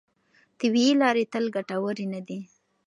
طبیعي لارې تل ګټورې نه دي.